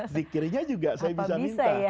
zikirnya juga saya bisa minta